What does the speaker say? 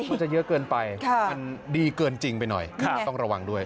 มันจะเยอะเกินไปมันดีเกินจริงไปหน่อยต้องระวังด้วย